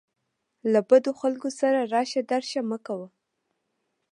له بدو خلکو سره راشه درشه مه کوه.